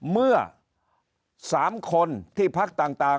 เมื่อ๓คนที่พักต่าง